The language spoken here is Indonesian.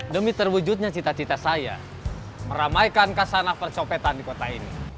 demi terwujudnya cita cita saya meramaikan kasanah percopetan di kota ini